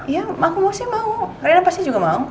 ya aku pasti mau reina pasti juga mau